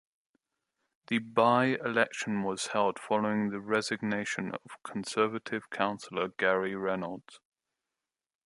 The by-election was held following the resignation of Conservative Councillor Gary Reynolds.